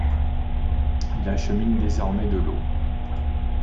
Il achemine désormais de l'eau.